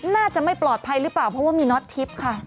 น่าจะไม่ปลอดภัยหรือเปล่าเพราะว่ามีน็อตทิพย์ค่ะ